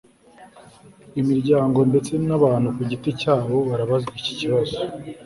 Imiryango ndetse nabantu ku giti cyabo barabazwa iki kibazo